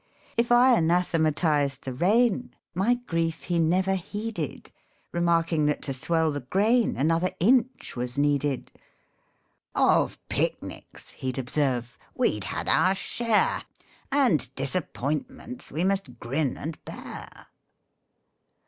If I anathematized the rain, My grief he never heeded, Remarking that to swell the grain Another inch was needed. " Of picnics," he'd observe, " we'd had our share, And disappointments we must grin and bear."